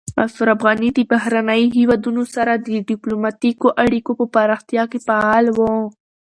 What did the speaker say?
اشرف غني د بهرنیو هیوادونو سره د ډیپلوماتیکو اړیکو په پراختیا کې فعال و.